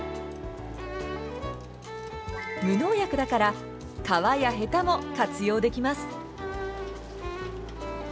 無農薬だから皮やへたも活用できます。